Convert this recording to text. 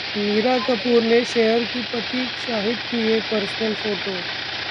मीरा कपूर ने शेयर की पति शाहिद की ये 'पर्सनल फोटो'